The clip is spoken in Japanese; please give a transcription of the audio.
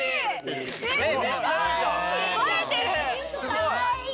かわいい！